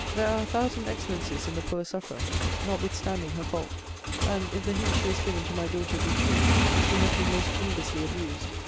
There are a thousand excellencies in the poor sufferer, notwithstanding her fault: and, if the hints she has given to my daughter be true, she has been most grievously abused.